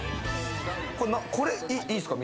これいいすか？